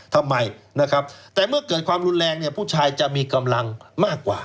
ทำไมนะครับแต่เมื่อเกิดความรุนแรงเนี่ยผู้ชายจะมีกำลังมากกว่า